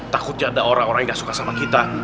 takutnya ada orang orang yang gak suka sama kita